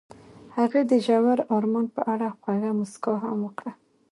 هغې د ژور آرمان په اړه خوږه موسکا هم وکړه.